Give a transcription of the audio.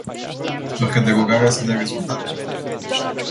Sper ca derogarea să dea rezultate.